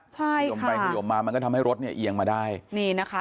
ใช่ยมไปขยมมามันก็ทำให้รถเนี่ยเอียงมาได้นี่นะคะ